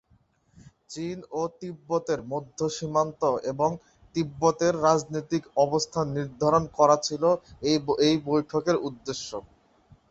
চীন ও তিব্বতের মধ্য সীমান্ত এবং তিব্বতের রাজনৈতিক অবস্থান নির্ধারণ করা ছিল এই বৈঠকের উদ্দেশ্য।